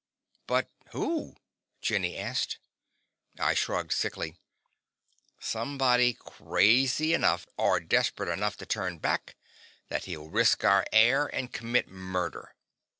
"But who?" Jenny asked. I shrugged sickly. "Somebody crazy enough or desperate enough to turn back that he'll risk our air and commit murder.